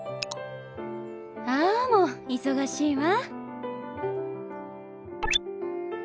あもう忙しいわ。